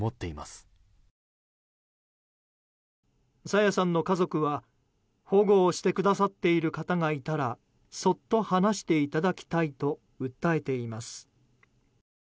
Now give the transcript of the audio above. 朝芽さんの家族は保護をしてくださっている方がいたらそっと放していただきたいと訴えています。